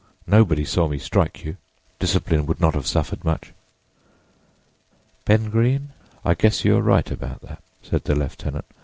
Nobody saw me strike you; discipline would not have suffered much." "Ben Greene, I guess you are right about that," said the lieutenant.